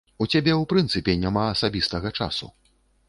У цябе ў прынцыпе няма асабістага часу.